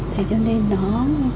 thế cho nên nó có cái ý nghĩa rất là đẹp